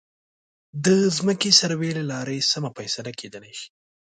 د ځمکې سروې له لارې سمه فیصله کېدلی شي.